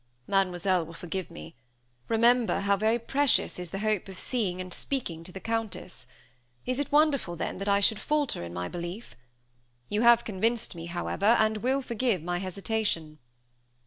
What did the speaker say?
"Mademoiselle will forgive me. Remember how very precious is the hope of seeing, and speaking to the Countess. Is it wonderful, then, that I should falter in my belief? You have convinced me, however, and will forgive my hesitation."